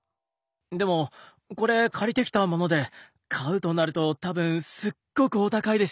でもこれ借りてきたもので買うとなると多分すっごくお高いですよ。